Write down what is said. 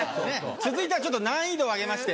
続いてはちょっと難易度を上げまして。